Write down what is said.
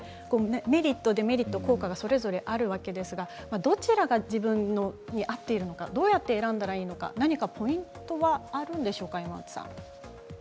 メリット、デメリット効果があるわけなんですがどちらが自分に合っているのかどうやって選んだらいいのかポイントはありますか。